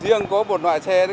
riêng có một loại xe